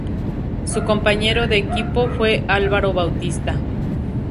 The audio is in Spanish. Su compañero de equipo fue Álvaro Bautista.